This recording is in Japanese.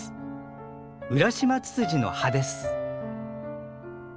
ウラシマツツジの葉です。